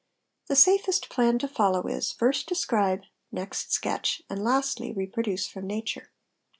The safest plan to follow 1s, first describe, next sketch, and lastly reproduce from nature.